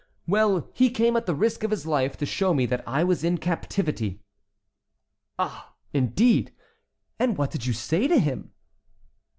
"Well, he came at the risk of his life to show me that I was in captivity." "Ah! indeed! and what did you say to him?"